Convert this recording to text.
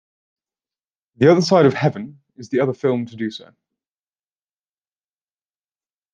"The Other Side of Heaven" is the other film to do so.